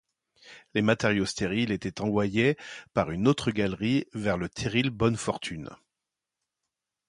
Les matériaux stériles étaient envoyés par une autre galerie vers le terril Bonne Fortune.